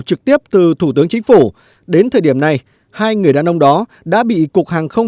trực tiếp từ thủ tướng chính phủ đến thời điểm này hai người đàn ông đó đã bị cục hàng không